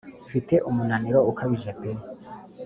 mfite umunaniro ukabije pe